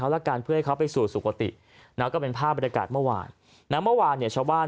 ทำบุญและกลันน